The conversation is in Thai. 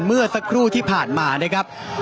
เมื่อสักครู่ที่ผ่านมานะครับ